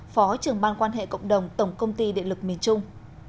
phó trưởng ban quan hệ cộng đồng tổng công ty điện lực miền trung